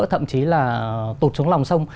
thậm chí là tụt xuống lòng sông